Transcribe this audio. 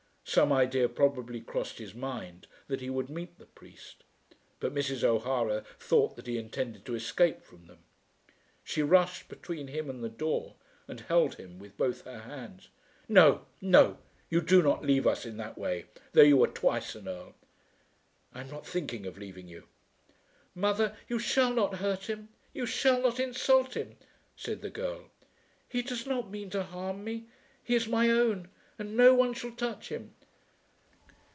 Some idea probably crossed his mind that he would meet the priest, but Mrs. O'Hara thought that he intended to escape from them. She rushed between him and the door and held him with both her hands. "No; no; you do not leave us in that way, though you were twice an Earl." "I am not thinking of leaving you." "Mother, you shall not hurt him; you shall not insult him," said the girl. "He does not mean to harm me. He is my own, and no one shall touch him."